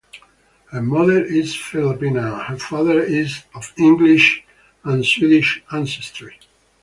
Her mother is Filipina and her father is of English and Swedish ancestry.